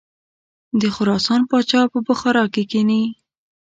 د خراسان پاچا په بخارا کې کښیني.